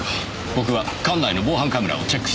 僕は館内の防犯カメラをチェックします。